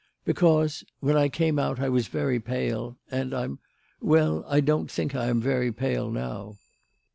"Because when I came out I was very pale; and I'm well, I don't think I am very pale now.